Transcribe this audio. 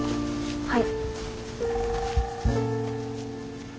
はい。